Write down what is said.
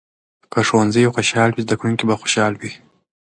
که ښوونځي خوشال وي، زده کوونکي به خوشحاله وي.